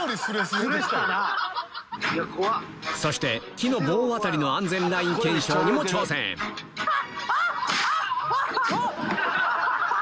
そして木の棒渡りの安全ライン検証にも挑戦アハハ！